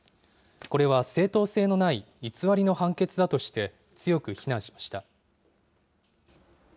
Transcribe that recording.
これは正当性のない偽りの判決だとして、強く非難しました。